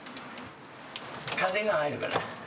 風が入るから。